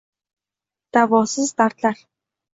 Davosiz dardlar